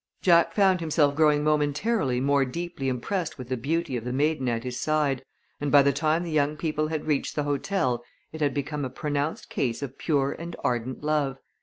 Jack found himself growing momentarily more deeply impressed with the beauty of the maiden at his side, and by the time the young people had reached the hotel it had become a pronounced case of pure and ardent love.